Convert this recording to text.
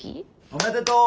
おめでとう！